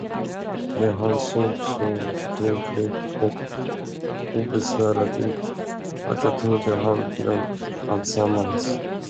Men han såg så fryntlig och obesvärad ut, att jag trodde han glömt alltsammans.